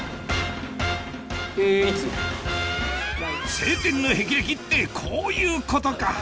青天のへきれきってこういうことか！